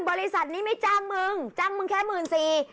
บริษัทนี้ไม่จ้างมึงจ้างมึงแค่หมื่นสี่